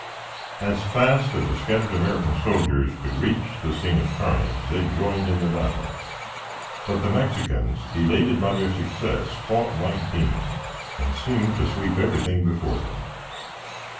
As fast as the scattered American soldiers could reach the scene of carnage, they joined in the battle; but, the Mexicans, elated by their success, fought like demons, and seemed to sweep everything before them.